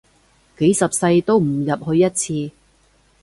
幾十世都唔入去一次